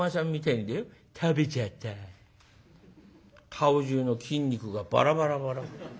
顔中の筋肉がバラバラバラバラ。